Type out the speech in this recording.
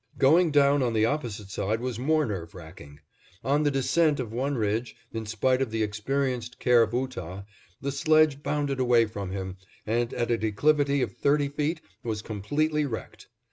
Going down on the opposite side was more nerve racking. On the descent of one ridge, in spite of the experienced care of Ootah, the sledge bounded away from him, and at a declivity of thirty feet was completely wrecked.